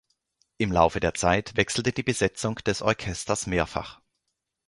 Im Laufe der Zeit wechselte die Besetzung des Orchesters mehrfach.